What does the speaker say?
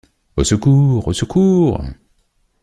Au secours! au secours !...